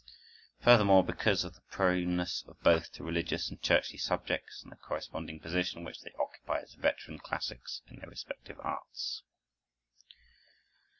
Furthermore, because of the proneness of both to religious and churchly subjects, and the corresponding position which they occupy as veteran classics in their respective arts.